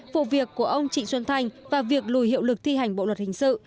vụ việc của ông trịnh xuân thanh và việc lùi hiệu lực thi hành bộ luật hình sự